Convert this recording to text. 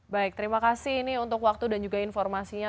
baik terima kasih ini untuk waktu dan juga informasinya